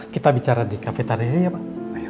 kita bicara di cafe tadi ya pak